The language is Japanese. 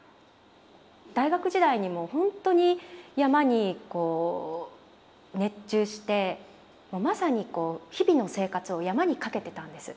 大学時代にも本当に山にこう熱中してまさにこう日々の生活を山に懸けてたんです。